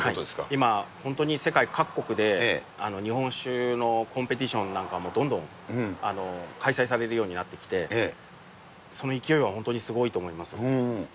今、本当に世界各国で、日本酒のコンペティションなんかも、どんどん開催されるようになってきて、その勢いは本当にすごいと思います。